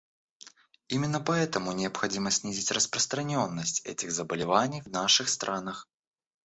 Именно поэтому необходимо снизить распространенность этих заболеваний в наших странах.